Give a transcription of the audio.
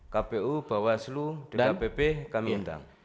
kpu bawaslu dkpp kami undang